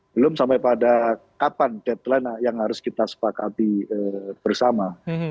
belum sampai pada kapan deadline yang harus kita sepakati bersama